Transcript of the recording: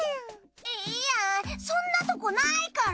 いやそんなとこないから。